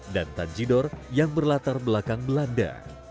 dan tanjidor yang berlatar belakang belanda